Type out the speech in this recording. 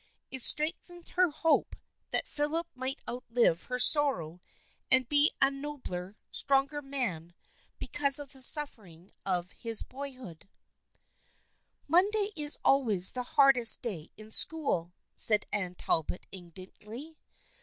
It strengthened her hope that Philip might outlive his sorrow and be a nobler, stronger man because of the suffering of his boyhood. THE FRIENDSHIP OF ANNE 293 " Monday is always the hardest day in school," said Anne Talbot indignantly.